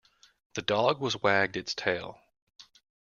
The dog was wagged its tail.